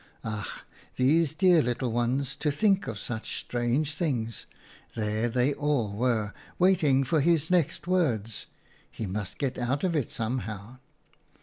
Ach ! these dear little ones, to think of such strange things ! There they all were, waiting for his next words. He must get out of it somehow.